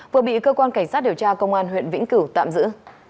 vừa bị cơ quan cảnh sát điều tra công an huyện vĩnh cửu tạm giữ